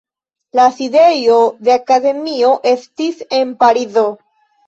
La sidejo de akademio estis en Parizo.